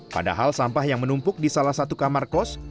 padahal sampah yang menumpuk di salah satu kamar kos